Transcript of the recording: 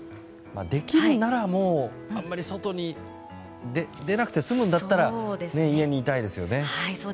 できるなら、あまり外に出なくて済むんだったら家にいたいですよね。